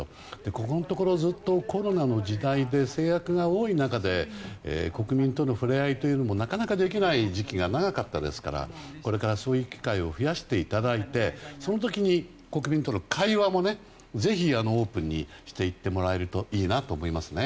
ここのところ、ずっとコロナの時代で制約が多い中で国民との触れ合いというのもなかなかできない時期が長かったですからこれから、そういう機会を増やしていただいてその時に国民との会話もぜひオープンにしていってもらえるといいなと思いますね。